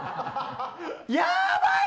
やばい！